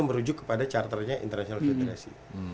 merujuk kepada charter nya international federasi